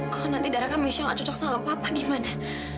kok nanti darah kami isi gak cocok sama papa gimana